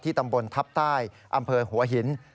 ตำบลทัพใต้อำเภอหัวหิน